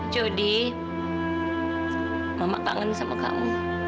jody mama kangen sama kamu